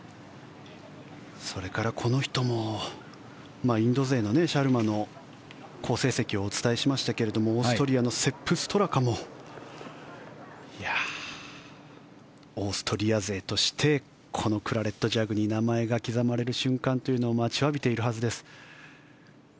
それからこの人もインド勢のシャルマの好成績をお伝えしましたがオーストリアのセップ・ストラカもオーストリア勢としてこのクラレットジャグに名前が刻まれる瞬間というのを待ちわびているはずです。